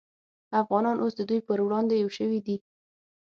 افغانان اوس د دوی پر وړاندې یو شوي دي